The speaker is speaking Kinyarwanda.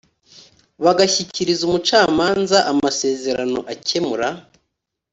bagashyikiriza umucamanza amasezerano akemura